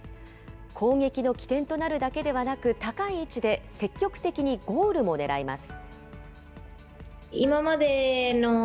攻撃の起点となるだけではなく、高い位置で積極的にゴールも狙います。